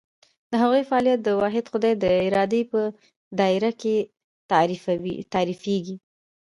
د هغوی فعالیت د واحد خدای د ارادې په دایره کې تعریفېږي.